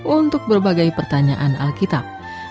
untuk berbagai pertanyaan alkitab